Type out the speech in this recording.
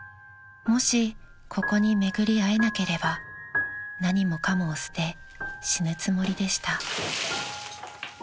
［もしここに巡り会えなければ何もかもを捨て死ぬつもりでした］